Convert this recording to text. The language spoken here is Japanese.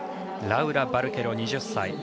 ラウラ・バルケロ、２０歳。